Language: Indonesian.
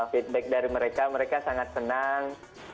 feedback dari mereka mereka sangat senang